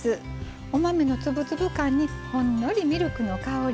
お豆の粒々感にほんのりミルクの香り。